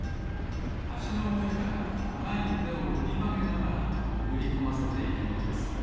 はしのうえからながいうでをおりまげながらもぐりこませているのです。